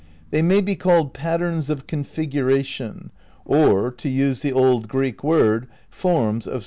' "They may be called patterns of configuration or, to use the old Greek word, 'forms' of Space Time."